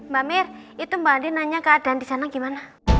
mbak mir itu mbak andi nanya keadaan disana gimana